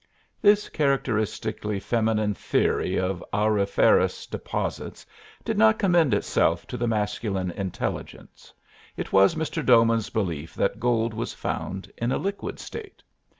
This characteristically feminine theory of auriferous deposits did not commend itself to the masculine intelligence: it was Mr. Doman's belief that gold was found in a liquid state.